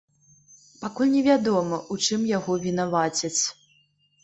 Пакуль невядома, у чым яго вінавацяць.